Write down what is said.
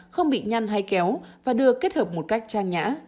không bị nhăn hay kéo và đưa kết hợp một cách trang nhã